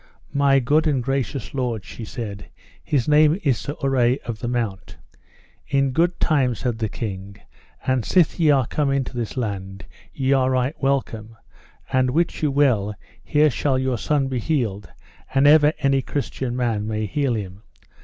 My good and gracious lord, she said, his name is Sir Urre of the Mount. In good time, said the king, and sith ye are come into this land, ye are right welcome; and wit you well here shall your son be healed, an ever any Christian man may heal him.